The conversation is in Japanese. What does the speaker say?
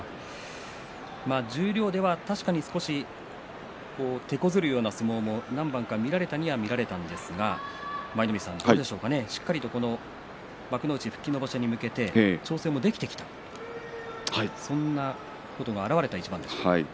十両では確かに少してこずるような相撲も何番か見られたには見られたんですが舞の海さん、しっかりと幕内復帰の場所に向けて調整もできてきたそんなことが表れた一番でした。